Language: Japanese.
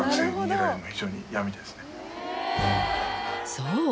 そう！